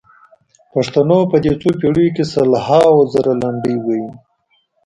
پښتنو په دې څو پېړیو کې سلهاوو زره لنډۍ ویلي.